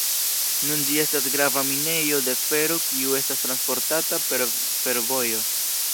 Nun ĝi estas grava minejo de fero kiu estas transportata per fervojo.